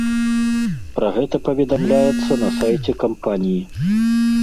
Пра гэта паведамляецца на сайце кампаніі.